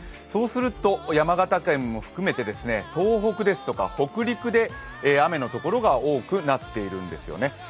山形県も含めて東北ですとか北陸で雨のところが多くなっているんですよね。